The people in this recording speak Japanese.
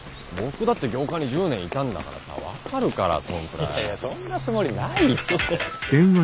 僕だって業界に１０年いたんだからさ分かるからそんくらい。